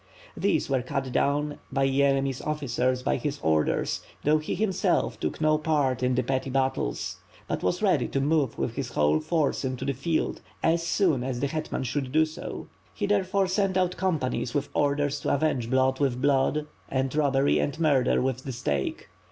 These were cut down by Yeremy's officers by his orders, though he, himself, tok no part in the petty battles; but was ready to move with his whole force into the field, as soon as the hetman should do so. He therefore sent out companies with orders to avenge blood with blood, and robbery and murder with the stake.